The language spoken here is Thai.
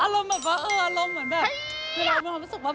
อารมณ์เหมือนว่าเนี่ยผมมึงฟังเหมือนแบบ